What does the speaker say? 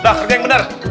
udah kerja yang benar